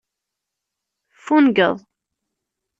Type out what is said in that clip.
Ffungeḍ.